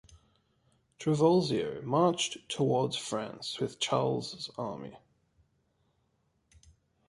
Trivulzio marched toward France with Charles' army.